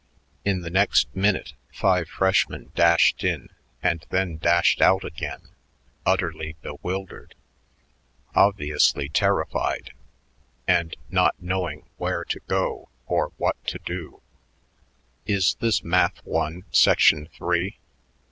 In the next minute five freshmen dashed in and then dashed out again, utterly bewildered, obviously terrified, and not knowing where to go or what to do. "Is this Math One, Section Three?"